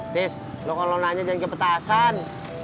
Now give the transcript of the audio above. tis lu kalo nanya jangan kepetasan